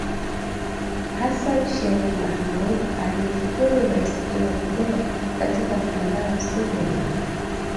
Hassan Sheikh Mohamud alimshukuru Rais Joe Biden katika mtandao siku ya Jumanne